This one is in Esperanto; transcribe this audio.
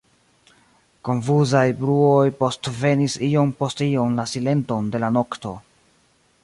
Konfuzaj bruoj postvenis iom post iom la silenton de la nokto.